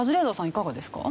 いかがですか？